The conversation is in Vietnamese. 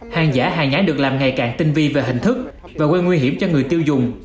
hàng giả hàng nhán được làm ngày càng tinh vi về hình thức và gây nguy hiểm cho người tiêu dùng